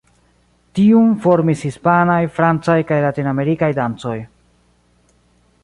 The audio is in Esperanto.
Tiun formis hispanaj, francaj kaj latinamerikaj dancoj.